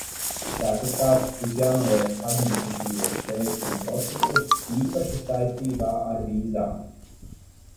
Ceturtkārt, būs jānovērš administratīvie šķēršļi un procedūras, īpaši saistībā ar vīzām.